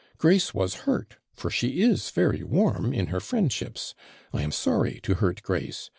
Grace was hurt, for she is very warm in her friendships. I am sorry to hurt Grace.